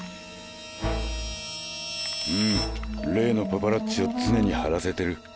うむ例のパパラッチを常に張らせてる。